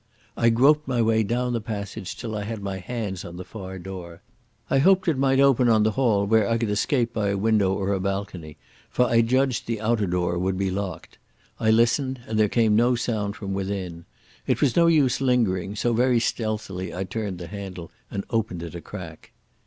I groped my way down the passage till I had my hands on the far door. I hoped it might open on the hall, where I could escape by a window or a balcony, for I judged the outer door would be locked. I listened, and there came no sound from within. It was no use lingering, so very stealthily I turned the handle and opened it a crack.